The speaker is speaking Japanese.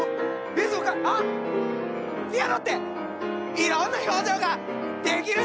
ピアノっていろんな表情ができるんだよなあ！